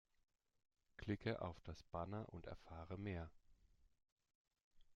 Klicke auf das Banner und erfahre mehr!